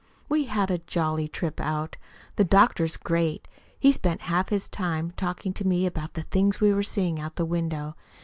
We had a jolly trip out. The doctor's great. He spent half his time talking to me about the things we were seeing out the window.